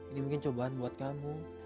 ini mungkin cobaan buat kamu